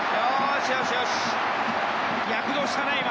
躍動したね、今。